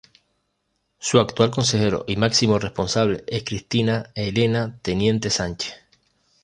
Su actual consejero y máximo responsable es Cristina Elena Teniente Sánchez.